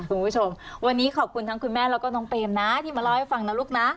คุณผู้ชมวันนี้ขอบคุณทั้งคุณแม่แล้วก็น้องเปมนะที่มาเล่าให้ฟังนะลูกนะ